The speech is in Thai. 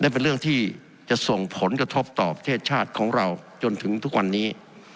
เป็นเรื่องที่จะส่งผลกระทบต่อประเทศชาติของเราจนถึงทุกวันนี้